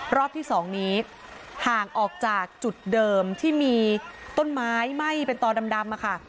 รอบที่๒นี้ห่างออกจากจุดเดิมที่มีต้นไม้ไหม้เป็นต่อดำค่ะ